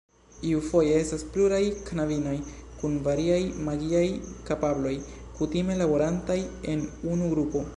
Iufoje estas pluraj knabinoj kun variaj magiaj kapabloj, kutime laborantaj en unu grupo.